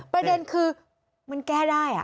ประเด็นคือมันแก้ได้